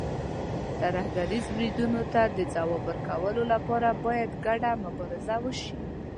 ترهګریزو بریدونو ته د ځواب ورکولو لپاره، باید ګډه مبارزه وشي.